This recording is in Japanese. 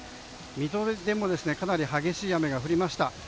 水戸でもかなり激しい雨が降りました。